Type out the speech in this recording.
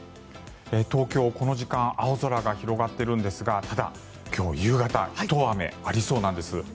東京、この時間青空が広がってるんですがただ、今日夕方ひと雨ありそうなんです。